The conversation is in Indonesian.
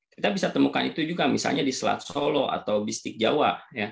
kita bisa temukan itu juga misalnya di selat solo atau bistik jawa